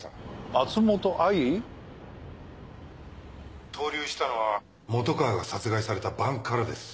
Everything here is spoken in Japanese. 松本藍？とう留したのは本川が殺害された晩からです。